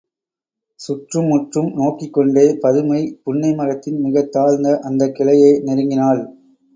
சுற்றும் முற்றும் நோக்கிக்கொண்டே பதுமை, புன்னை மரத்தின் மிகத் தாழ்ந்த அந்தக் கிளையை நெருங்கினாள்.